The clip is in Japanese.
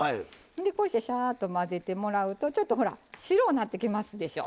こうしてしゃーっと混ぜてもらうとちょっと白うなってきますでしょ。